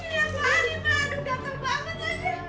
gatel kepala gue